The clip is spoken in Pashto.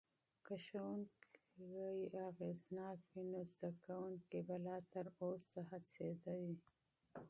که ښوونکې مؤثرې وي، نو زدکونکي به لا تر اوسه هڅیده وي.